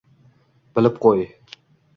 bilib qo’y